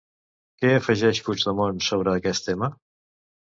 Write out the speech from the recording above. Què afegeix Puigdemont sobre aquest tema?